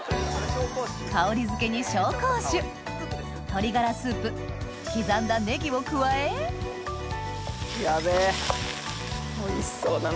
香りづけに紹興酒鶏がらスープ刻んだネギを加えヤベェおいしそうだな。